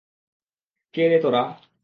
কে রে তোরা?